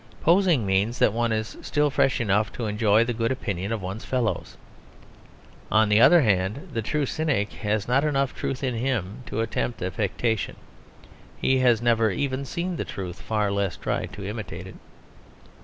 Posing means that one is still fresh enough to enjoy the good opinion of one's fellows. On the other hand, the true cynic has not enough truth in him to attempt affectation; he has never even seen the truth, far less tried to imitate it.